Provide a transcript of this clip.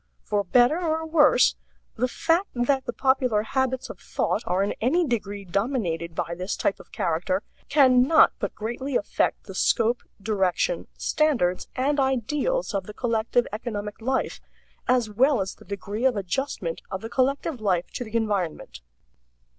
For better or worse, the fact that the popular habits of thought are in any degree dominated by this type of character can not but greatly affect the scope, direction, standards, and ideals of the collective economic life, as well as the degree of adjustment of the collective life to the environment.